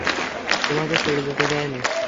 তোমাকে ছেড়ে যেতে চাইনি!